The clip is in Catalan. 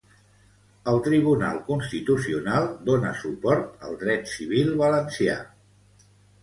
El Tribunal Constitucional dona suport al dret civil valencià.